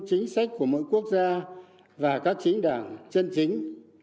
chính sách của mỗi quốc gia và các chính đảng chân chính